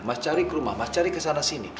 mas cari ke rumah mas cari kesana sini